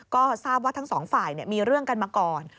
ก็ทราบว่าทั้งสองฝ่ายมีเรื่องกันมาก่อน